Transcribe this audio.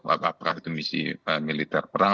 apakah itu misi militer perang